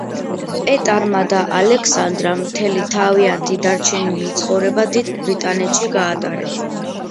პეტარმა და ალექსანდრამ მთელი თავიანთი დარჩენილი ცხოვრება დიდ ბრიტანეთში გაატარეს.